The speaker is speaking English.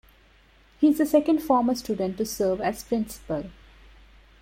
He is the second former student to serve as principal.